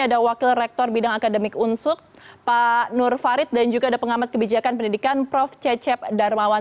ada wakil rektor bidang akademik unsuk pak nur farid dan juga ada pengamat kebijakan pendidikan prof cecep darmawan